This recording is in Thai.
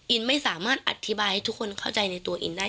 ไม่สามารถอธิบายให้ทุกคนเข้าใจในตัวอินได้